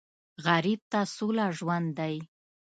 غریب ته سوله ژوند دی